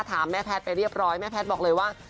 แม่แพทย์ไปเรียบร้อยแม่แพทย์บอกเลยว่า